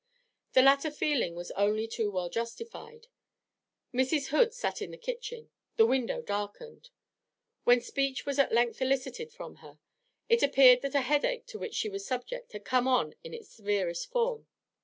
The latter feeling was only too well justified. Mrs. Hood sat in the kitchen, the window darkened. When speech was at length elicited from her, it appeared that a headache to which she was subject had come on in its severest form.